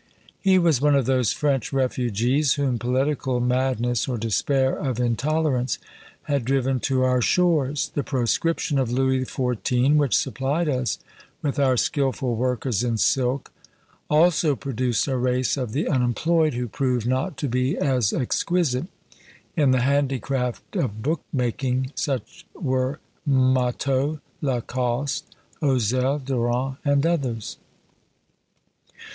He was one of those French refugees whom political madness or despair of intolerance had driven to our shores. The proscription of Louis XIV., which supplied us with our skilful workers in silk, also produced a race of the unemployed, who proved not to be as exquisite in the handicraft of book making; such were Motteux, La Coste, Ozell, Durand, and others.